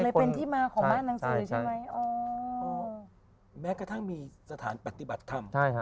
เลยเป็นที่มาของบ้านหนังสือใช่ไหมอ๋อแม้กระทั่งมีสถานปฏิบัติธรรมใช่ฮะ